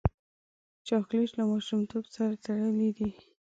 چاکلېټ له ماشومتوب سره تړلی دی.